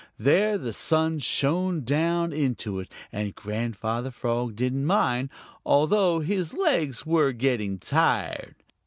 There the sun shone down into it, and Grandfather Frog didn't mind, although his legs were getting tired.